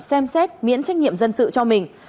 xem xét miễn trách nhiệm dân sự cho mình